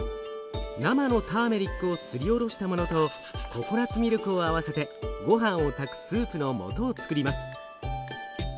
生のターメリックをすりおろしたものとココナツミルクを合わせてごはんを炊くスープのもとをつくります。